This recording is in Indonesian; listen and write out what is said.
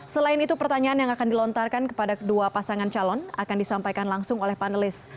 selain itu pertanyaan yang akan dilontarkan kepada kedua pasangan calon akan disampaikan langsung oleh panelis